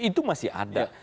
itu masih ada